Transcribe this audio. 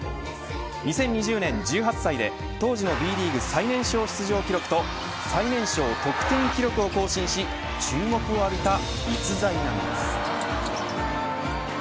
２０２０年１８歳で当時のＢリーグ最年少出場記録と最年少得点記録を更新し注目を浴びた逸材なんです。